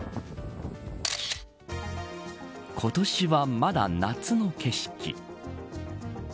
今年は、まだ夏の景色。